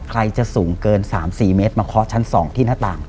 ใครจะสูงเกิน๓๔เมตรมาเคาะชั้น๒ที่หน้าต่าง